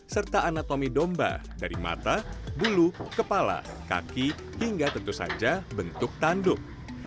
serta anatomi domba dari mata bulu kepala kaki hingga tentu saja bentuk tanduk